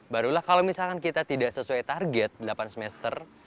barulah kalau misalkan kita tidak sesuai target delapan semester